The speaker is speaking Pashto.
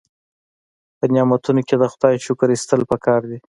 په نعمتونو کې د خدای شکر ایستل پکار دي.